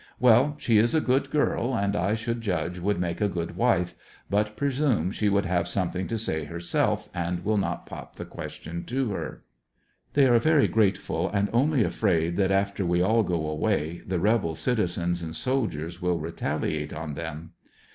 Well, she is a good girl, and I should judge would make a good wife, but presume she would have something to say herself and will not pop the question to her. They are very grateful, and only afraid that after we all go away the rebel cttizens and soldiers will retaliate on them.